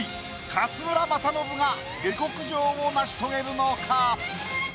勝村政信が下克上を成し遂げるのか？